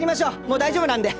もう大丈夫なんで。